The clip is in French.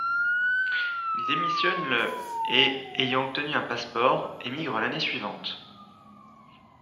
Il démissionne le et, ayant obtenu un passeport, émigre l'année suivante.